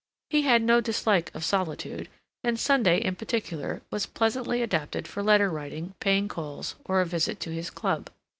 He had no dislike of solitude, and Sunday, in particular, was pleasantly adapted for letter writing, paying calls, or a visit to his club.